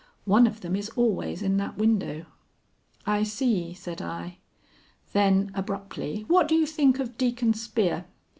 One of them is always in that window." "I see," said I. Then abruptly: "What do you think of Deacon Spear?"